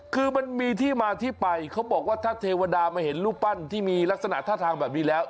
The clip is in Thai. คือมันมีที่มาที่ไปเขาบอกว่าถ้าเทวดามาเห็นรูปปั้นที่มีลักษณะท่าทางแบบนี้แล้ว